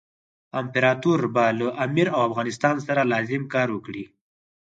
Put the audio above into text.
امپراطور به له امیر او افغانستان سره لازم کار وکړي.